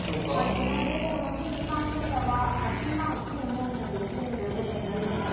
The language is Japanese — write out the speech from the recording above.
昨日、全国の新規感染者は８万１４０１人ということになりました。